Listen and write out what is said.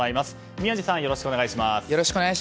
宮司さんよろしくお願いします。